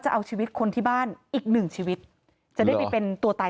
จะเอาชีวิตคนที่บ้านอีกหนึ่งชีวิตจะได้ไปเป็นตัวตาย